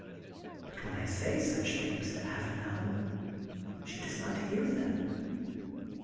' But when I say such things to Avanel, she does not hear them.